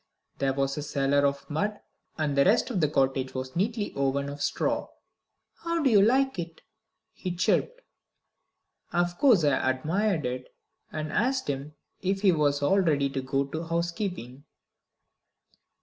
There was a cellar of mud, and the rest of the cottage was neatly woven of straw. "How do you like it?" he chirped. Of course I admired it, and asked him if he was all ready to go to housekeeping.